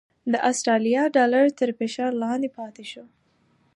د اسټرالیا ډالر تر فشار لاندې پاتې شو؛